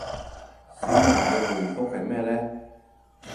小曼嘅回覆係咩呢